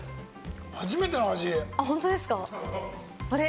初めての味。